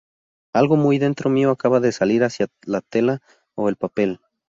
Algo muy dentro mío acaba de salir hacia la tela o el papel.